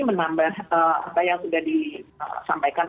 menambah apa yang sudah disampaikan